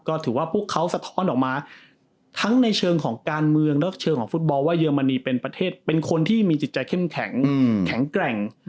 ก็ถือว่าพวกเขาสะท้อนออกมาทั้งในเชิงของการเมืองแล้วก็เชิงของฟุตบอลว่าเยอรมนีเป็นประเทศเป็นคนที่มีจิตใจเข้มแข็งแข็งแกร่ง